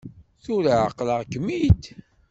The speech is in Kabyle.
Tura ɛeqleɣ-kem-id.